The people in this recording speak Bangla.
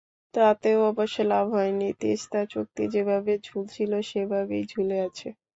তাতেও অবশ্য লাভ হয়নি, তিস্তা চুক্তি যেভাবে ঝুলছিল, সেভাবেই ঝুলে আছে।